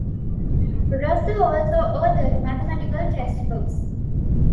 Rosser also authored mathematical textbooks.